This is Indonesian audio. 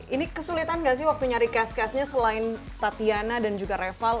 ini kesulitan gak sih waktu nyari cast castnya selain tatiana dan juga reval